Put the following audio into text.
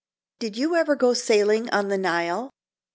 Did you ever go sailing on the Nile?